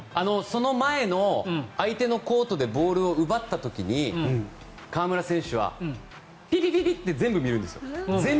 その前の相手のコートでボールを奪った時に河村選手はピピピッて全部見るんです。